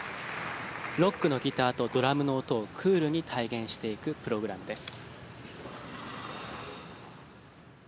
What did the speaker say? ロックのギターとドラムの音をクールに体現していくプログラムです。